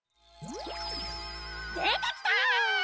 でてきた！